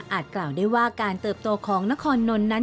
กล่าวได้ว่าการเติบโตของนครนนท์นั้น